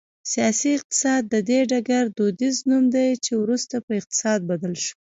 سیاسي اقتصاد د دې ډګر دودیز نوم دی چې وروسته په اقتصاد بدل شو